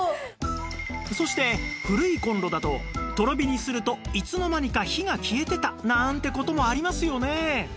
そして古いコンロだととろ火にするといつの間にか火が消えてたなんて事もありますよね？